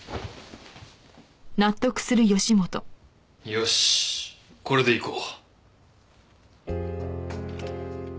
よしこれでいこう。